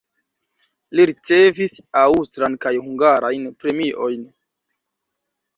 Li ricevis aŭstran kaj hungarajn premiojn.